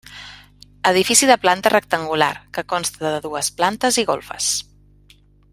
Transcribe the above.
Edifici de planta rectangular que consta de dues plantes i golfes.